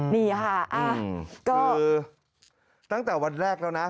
นี่ค่ะก็คือตั้งแต่วันแรกแล้วนะ